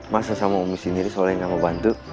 masa sama umi sendiri soleh gak mau bantu